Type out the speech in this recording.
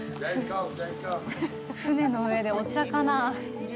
船の上でお茶かな？